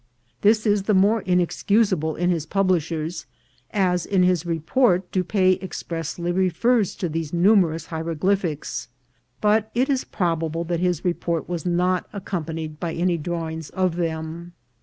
This is the more inexcusable in his publishers, as in his report Dupaix expressly refers to these numerous hieroglyph ics ; but it is probable that his report was not accom panied by any drawings of them.